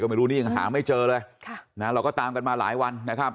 ก็ไม่รู้หาไม่เจอเลยนะเราก็ตามกันมาหลายวันนะครับ